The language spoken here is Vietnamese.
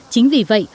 chính vì vậy